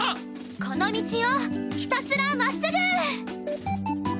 この道をひたすら真っすぐ！